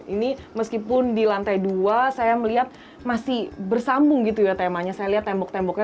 ini meskipun di lantai dua saya melihat masih bersambung gitu ya temanya saya lihat tembok temboknya